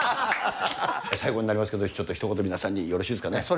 最後になりますけど、ひと言、皆さんによろしいですかね。